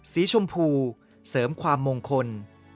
สีชมพูเสริมความมงคล